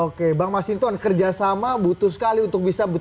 oke bang mas hinton kerjasama butuh sekali untuk bisa